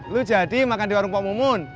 lo jadi makan di warung pok momun